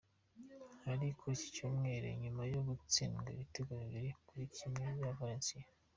Hari kuri iki Cyumweru nyuma yo gutsindwa ibitego bibiri kuri kimwe na Valencia.